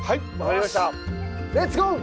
レッツゴー！